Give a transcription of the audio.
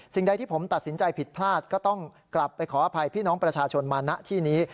สิ่งใดที่ผมตัดสินใจผิดพลาดก็ต้องกลับไปขออภัยพี่น้องประชาชนมาณที่นี้